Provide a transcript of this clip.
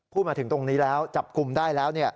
พูดถึงตรงนี้แล้วจับกลุ่มได้แล้ว